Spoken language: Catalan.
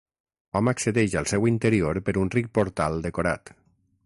Hom accedeix al seu interior per un ric portal decorat.